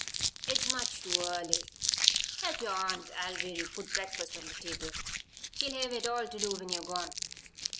It's much too early. Help your Aunt Alviry put breakfast on the table. She'll hev it all to do when you're gone."